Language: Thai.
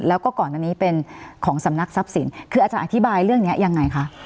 แล้วก็ก่อนอันนี้เป็นของสำนักทรัพย์สินคืออาจารย์อธิบายเรื่องนี้ยังไงคะ